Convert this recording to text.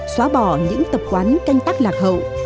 xóa bỏ những tập quán canh tắc lạc hậu